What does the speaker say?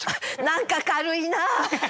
何か軽いな。